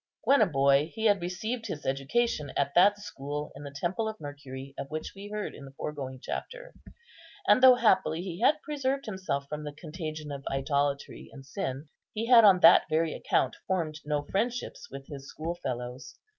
When a boy he had received his education at that school in the Temple of Mercury of which we heard in the foregoing chapter; and though happily he had preserved himself from the contagion of idolatry and sin, he had on that very account formed no friendships with his schoolfellows.